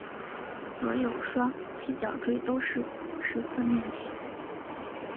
所有双七角锥都是十四面体。